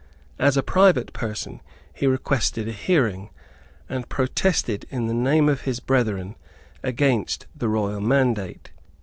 As a private person he requested a hearing, and protested, in the name of his brethren, against the royal mandate.